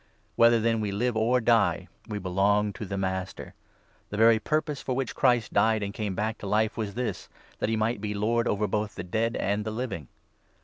Whether, then, we live or die we belong to the Master. The very purpose for which 9 Christ died and came back to life was this — that he might be Lord over both the dead and the living.